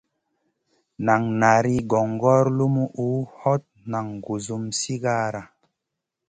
Nan nari gongor lumuʼu, hot nan gusum sigara.